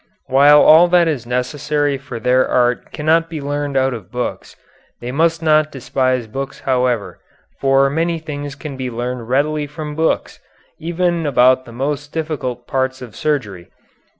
While all that is necessary for their art cannot be learned out of books, they must not despise books however, for many things can be learned readily from books, even about the most difficult parts of surgery.